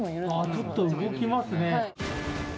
ちょっと動きますね。